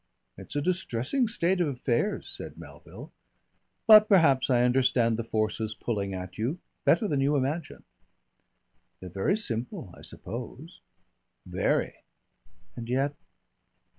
"It's a distressing state of affairs," said Melville. "But perhaps I understand the forces pulling at you better than you imagine." "They're very simple, I suppose." "Very." "And yet